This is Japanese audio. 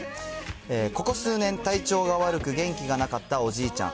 ここ数年、体調が悪く、元気がなかったおじいちゃん。